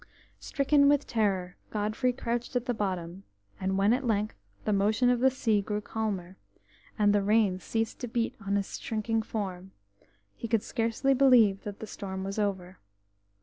Stricken with terror, Godfrey crouched at the bottom, and when at length the motion of the sea grew calmer, and the rain ceased to beat on his shrinking form, he could scarcely believe that the storm was over.